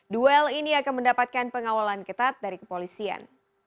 duel ini akan mendapatkan pengawalan ketat dari kepolisian